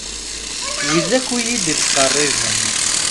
Wid akk iyi-d-ittqerriben.